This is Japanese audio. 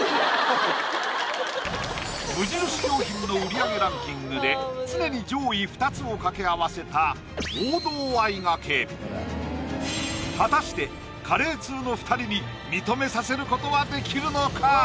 良品の売り上げランキングで常に上位２つを掛け合わせた果たしてカレー通の２人に認めさせることはできるのか？